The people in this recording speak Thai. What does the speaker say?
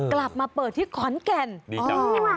กลับมาเปิดที่ขอนแก่นดีจัง